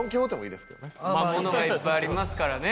まあ物がいっぱいありますからね。